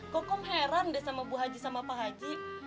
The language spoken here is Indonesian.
kokom heran deh sama bu haji sama pak hasi